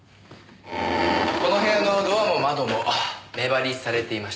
この部屋のドアも窓も目張りされていました。